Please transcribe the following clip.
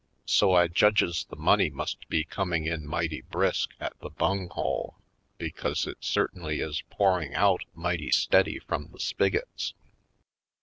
So I judges the money must be coming in mighty brisk at the bung hole, because it certainly is pouring out mighty steady from the spigots.